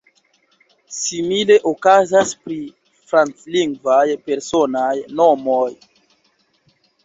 Simile okazas pri franclingvaj personaj nomoj.